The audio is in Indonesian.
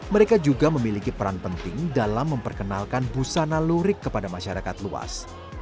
mereka juga memiliki peran penting dalam memperkenalkan busana lurik kepada masyarakat luas